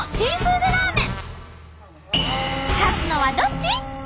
勝つのはどっち！？